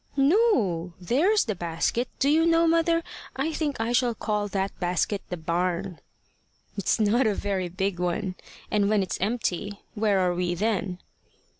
"No. There's the basket. Do you know, mother, I think I shall call that basket the barn." "It's not a very big one. And when it's empty where are we then?"